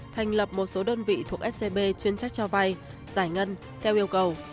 thành lập một số đơn vị thuộc scb chuyên trách trao vai giải ngân theo yêu cầu